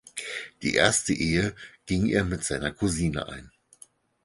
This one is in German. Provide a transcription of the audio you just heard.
Die erste Ehe ging er mit seiner Cousine ein.